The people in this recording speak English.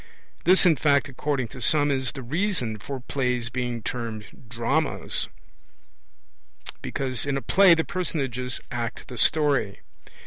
This in fact, according to some, is the reason for plays being termed dramas, because in a play the personages act the story.